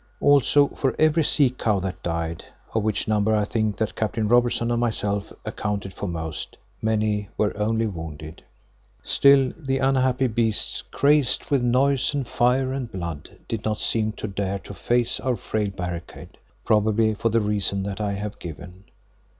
Also for every sea cow that died, of which number I think that Captain Robertson and myself accounted for most—many were only wounded. Still, the unhappy beasts, crazed with noise and fire and blood, did not seem to dare to face our frail barricade, probably for the reason that I have given.